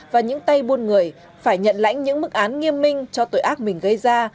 và những tay buôn người phải nhận lãnh những mức án nghiêm minh cho tội ác mình gây ra